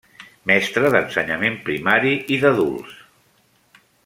Mestre d'ensenyament primari i d'adults.